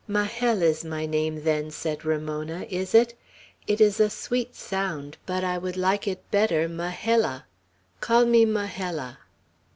"Majel is my name, then," said Ramona, "is it? It is a sweet sound, but I would like it better Majella. Call me Majella."